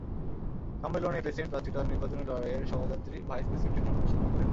সম্মেলনেই president প্রার্থী তাঁর নির্বাচনী লড়াইয়ে সহযাত্রী ভাইস প্রেসিডেন্টের নাম ঘোষণা করেন।